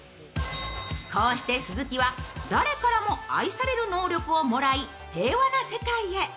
こうして鈴木は誰からも愛される能力をもらい、平和な世界へ。